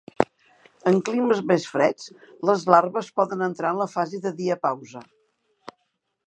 En climes més freds, les larves poden entrar en la fase de diapausa.